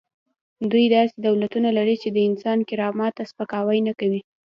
دوی داسې دولتونه لري چې د انسان کرامت ته سپکاوی نه کوي.